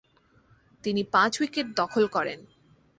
তিনি পাঁচ উইকেট দখল করেন।